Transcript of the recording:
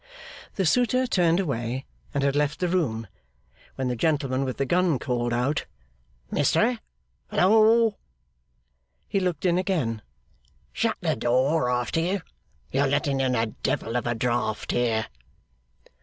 The suitor turned away and had left the room, when the gentleman with the gun called out 'Mister! Hallo!' He looked in again. 'Shut the door after you. You're letting in a devil of a draught here!